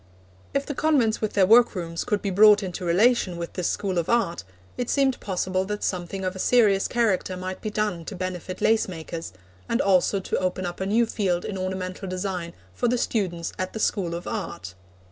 If the convents with their workrooms could be brought into relation with this School of Art, it seemed possible that something of a serious character might be done to benefit lace makers, and also to open up a new field in ornamental design for the students at the School of Art.